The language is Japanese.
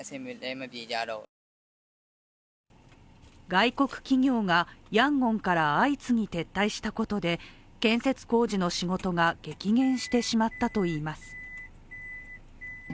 外国企業がヤンゴンから相次ぎ撤退したことで建設工事の仕事が激減してしまったといいます。